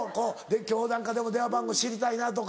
今日なんかでも電話番号知りたいなとか。